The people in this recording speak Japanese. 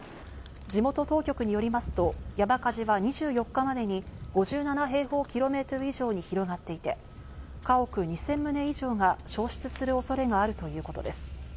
地元当局によりますと山火事は２４日までに５７平方キロメートル以上に広がっていて、家屋２０００棟以上が焼失する恐れがあるということです。